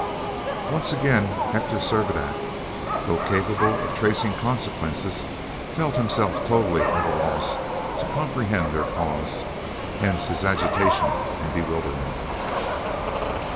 Once again Hector Servadac, though capable of tracing consequences, felt himself totally at a loss to comprehend their cause; hence his agitation and bewilderment!